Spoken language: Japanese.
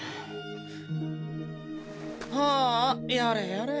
ああやれやれ。